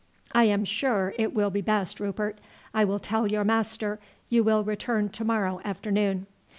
"I am sure it will be best, Rupert. I will tell your master you will return to morrow afternoon."